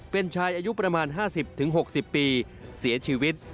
เป็นชายอายุประมาณห้าสิบถึงหกสิบปีเสียชีวิต